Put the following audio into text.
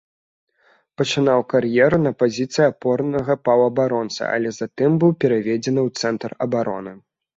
Пачынаў кар'еру на пазіцыі апорнага паўабаронцы, але затым быў пераведзены ў цэнтр абароны.